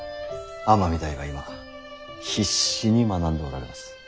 尼御台は今必死に学んでおられます。